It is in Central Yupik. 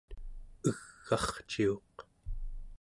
eg'arciuq